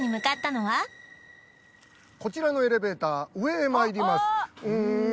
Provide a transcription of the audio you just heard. こちらのエレベーター上へまいります